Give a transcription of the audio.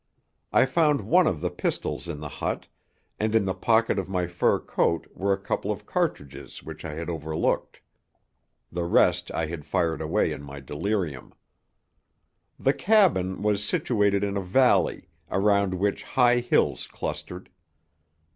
I found one of the pistols in the hut, and in the pocket of my fur coat were a couple of cartridges which I had overlooked. The rest I had fired away in my delirium. The cabin, was situated in a valley, around which high hills clustered.